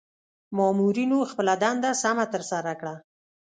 مامورنیو خپله دنده سمه ترسره کړه.